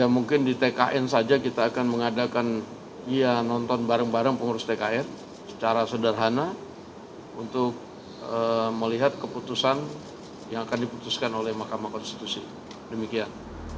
mungkin di tkn saja kita akan mengadakan nonton bareng bareng pengurus tkn secara sederhana untuk melihat keputusan yang akan diputuskan oleh mahkamah konstitusi demikian